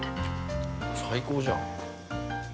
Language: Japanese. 最高じゃん。